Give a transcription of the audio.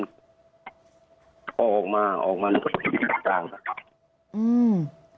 พ่อออกมาออกมาอืม